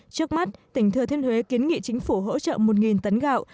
trước mắt tỉnh thừa thiên huế kiến nghị chính phủ hỗ trợ một tấn gạo